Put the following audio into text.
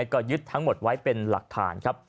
ก็ยึดทั้งหมดไว้เป็นหลักฐานครับ